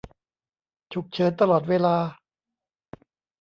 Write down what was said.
ฉุกเฉินตลอดเวลา